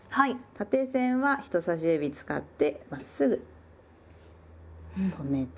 縦線は人さし指使ってまっすぐ止めて。